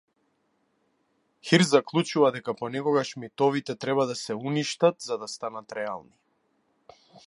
Хирст заклучува дека понекогаш митовите треба да се уништат за да станат реални.